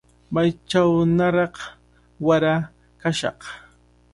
Maychawnaraq wara kashaq.